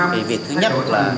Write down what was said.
thì việc thứ nhất là